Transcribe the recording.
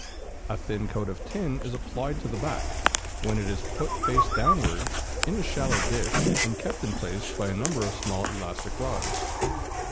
A thin coating of tin is applied to the back, when it is put face downward in a shallow dish, and kept in place by a number of small elastic rods.